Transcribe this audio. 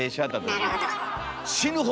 なるほど。